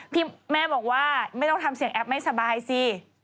แม่บอกว่าไม่ต้องทำเสียงแอปไม่สบายสิ